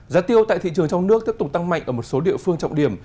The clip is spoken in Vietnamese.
giá tiêu tại thị trường trong nước tiếp tục tăng mạnh ở một số địa phương trọng điểm